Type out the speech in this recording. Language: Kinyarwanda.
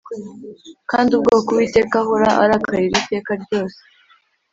kandi ubwoko Uwiteka ahora arakarira iteka ryose.